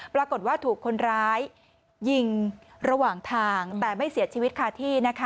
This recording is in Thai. ปรากฏว่าถูกคนร้ายยิงระหว่างทางแต่ไม่เสียชีวิตคาที่นะคะ